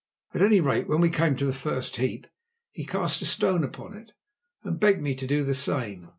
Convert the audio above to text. At any rate, when we came to the first heap, he cast a stone upon it, and begged me to do the same.